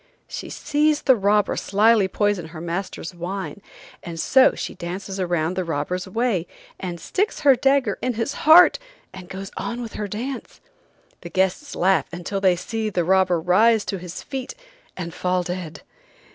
She sees the robber slyly poison her master's wine, and so she dances around the robber's way, and sticks her dagger in his heart and goes on with her dance. The guests laugh until they see the robber rise to his feet and fall dead.